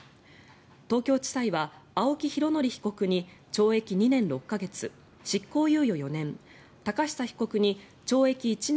東京地裁は青木拡憲被告に懲役２年６か月執行猶予４年寶久被告に懲役１年